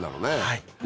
はい。